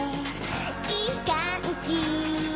いいかんじ